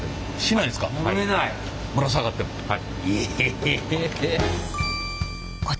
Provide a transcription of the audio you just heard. はい。